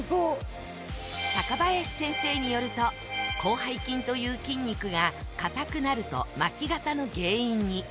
高林先生によると広背筋という筋肉が硬くなると巻き肩の原因に。